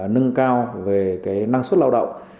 nâng cao về năng suất lao động